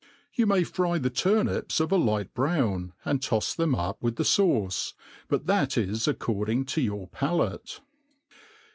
You may fry the turnips of a light brown, and tofs them ''up" with the fauce ^ but chat is According to youf palate.